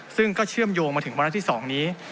ซึ่งก็เชื่อมโยงมาถึงวาระที่๒นี้